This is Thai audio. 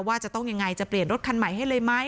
ว่าจะต้องยังไงจะเปลี่ยนรถคันใหม่ให้เลยไหม